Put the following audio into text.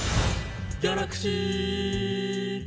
「ギャラクシー！」